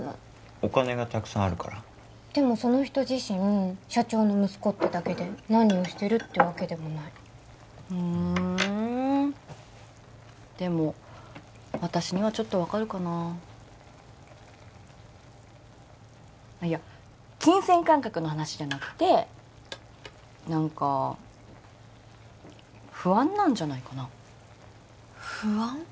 お金がたくさんあるからでもその人自身社長の息子ってだけで何をしてるってわけでもないふんでも私にはちょっと分かるかなあっいや金銭感覚の話じゃなくて何か不安なんじゃないかな不安？